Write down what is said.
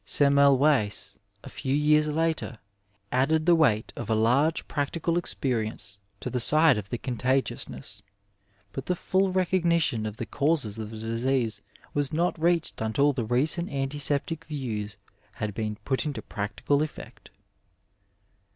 Sem melweis, a few years later, added the weight of a large practical experience to the^ side of the contagiousness, but the full recognition of the causes of the disease was not reached until the recent antiseptic views had been put into practical effect.